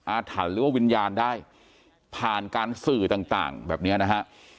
อาถรรพ์หรือว่าวิญญาณได้ผ่านการสื่อต่างแบบเนี้ยนะฮะ